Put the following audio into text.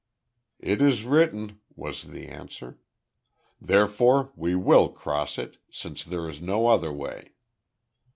"It is written," was the answer. "Therefore we will cross it, since there is no other way."